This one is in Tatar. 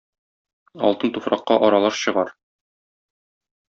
Алтын туфракка аралаш чыгар.